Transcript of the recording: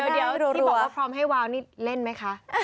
เดี๋ยวที่บอกว่าพร้อมให้วางนี่เล่นไหมคะ